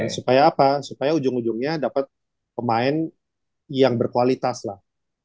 supaya apa supaya ujung ujungnya dapat pemain yang berkualitas lah